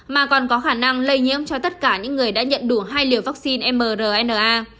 mà còn có khả năng lây nhiễm cho tất cả những người đã nhận đủ hai liều vaccine mrna